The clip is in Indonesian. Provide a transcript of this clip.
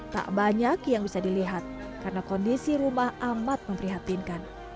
tak banyak yang bisa dilihat karena kondisi rumah amat memprihatinkan